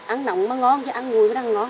ăn nóng mới ngon chứ ăn ngủi mới ăn ngon